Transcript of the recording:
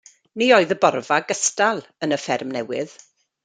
Nid oedd y borfa gystal yn y fferm newydd.